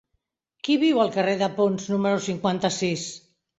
Qui viu al carrer de Ponts número cinquanta-sis?